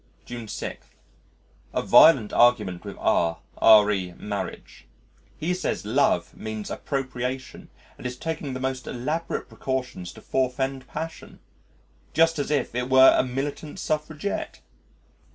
June 6. A violent argument with R re marriage. He says Love means appropriation, and is taking the most elaborate precautions to forfend passion just as if it were a militant suffragette.